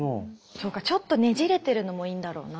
そうかちょっとねじれてるのもいいんだろうな。